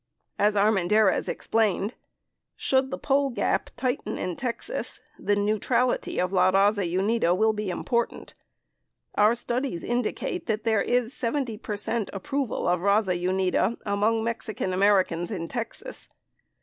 As Armendariz explained : Should the poll gap tighten in Texas, the neutrality of La Raza Unida will be important. Our studies indicate that there is 70 percent approval of Raza Unida among Mexican Ameri cans in Texas.